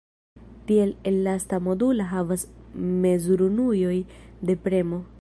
Tiel elasta modula havas mezurunuoj de premo.